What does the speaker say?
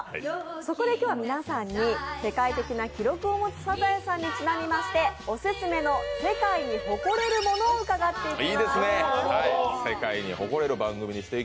そこで今日は皆さんに世界的な記録を持つ「サザエさん」にちなみましてオススメの世界に誇れるものを紹介していただきます。